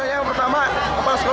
yang pertama kepala sekolah harus turun